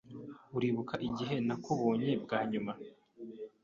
Uribuka igihe nakubonye bwa nyuma?